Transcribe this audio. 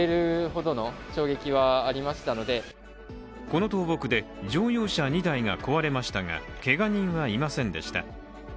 この倒木で乗用車２台が壊れましたが、けが人はいませんでした。